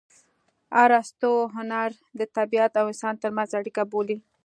ارستو هنر د طبیعت او انسان ترمنځ اړیکه بولي